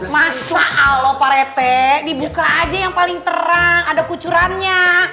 masa allah pak rt dibuka aja yang paling terang ada kucurannya